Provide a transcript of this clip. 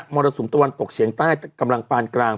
มรษฎีตะวันปกเฉียงไต้เก๋กำลังปานกลาง